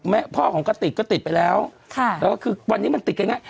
แม่พ่อของกระติกก็ติดไปแล้วค่ะแล้วก็คือวันนี้มันติดง่าย